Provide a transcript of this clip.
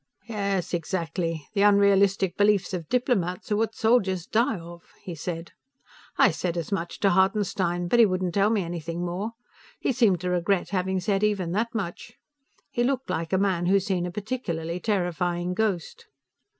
"Yes, exactly! The unrealistic beliefs of diplomats are what soldiers die of," he said. "I said as much to Hartenstein, but he wouldn't tell me anything more. He seemed to regret having said even that much. He looked like a man who's seen a particularly terrifying ghost."